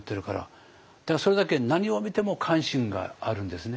だからそれだけ何を見ても関心があるんですね。